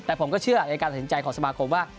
แต่ผมก็เชื่อในการตัดสินใจของสมาคมว่า